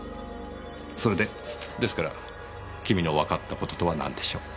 それで？ですから君のわかった事とは何でしょう？